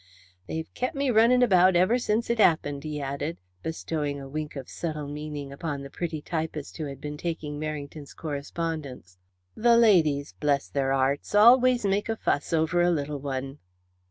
"They've kep' me runnin' about ever since it happened," he added, bestowing a wink of subtle meaning upon the pretty typist who had been taking Merrington's correspondence. "The ladies bless their 'earts always make a fuss over a little one."